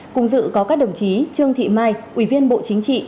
cùng dự có các đồng chí trương thị mai ủy viên bộ chính trị